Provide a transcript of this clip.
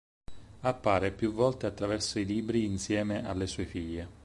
Appare più volte attraverso i libri insieme alle sue figlie.